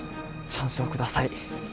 チャンスを下さい。